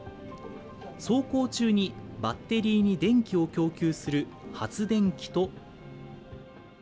走行中にバッテリーに電気を供給する発電機と。